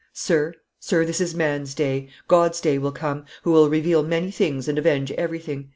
Sir, sir, this is man's day; God's day will come, who will reveal many things and avenge everything."